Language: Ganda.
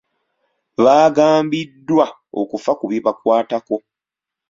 Baagambiddwa okufa ku bibakwatako.